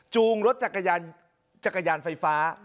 จูงรถจักรยาจักรยานไฟฟ้า